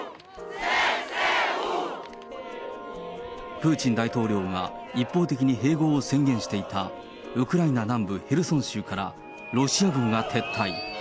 プーチン大統領が一方的に併合を宣言していたウクライナ南部ヘルソン州からロシア軍が撤退。